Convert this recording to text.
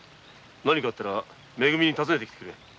何かあったらめ組に訪ねてきてくれ。